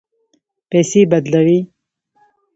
پیسې بدلوئ؟